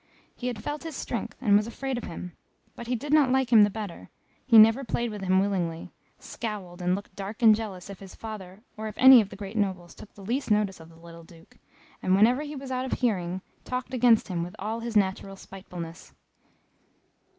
He had felt his strength, and was afraid of him; but he did not like him the better he never played with him willingly scowled, and looked dark and jealous, if his father, or if any of the great nobles took the least notice of the little Duke, and whenever he was out of hearing, talked against him with all his natural spitefulness.